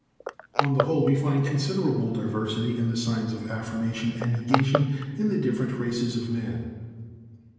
On the whole we find considerable diversity in the signs of affirmation and negation in the different races of man.